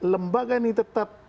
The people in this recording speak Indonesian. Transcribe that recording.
lembaga ini tetap